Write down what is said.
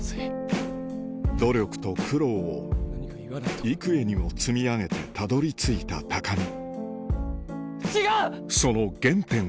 努力と苦労を幾重にも積み上げてたどり着いた高み